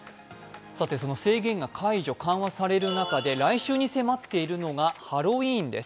その制限が解除、緩和される中で来週に迫っているのがハロウィーンです。